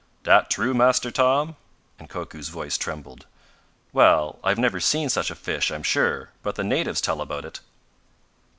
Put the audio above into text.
"Dat true, Master Tom?" and Koku's voice trembled. "Well, I've never seen such a fish, I'm sure, but the natives tell about it."